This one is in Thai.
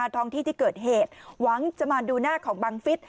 ท้องที่ที่เกิดเหตุหวังจะมาดูหน้าของบังฟิศ